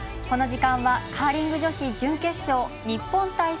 この時間はカーリング女子準決勝日本対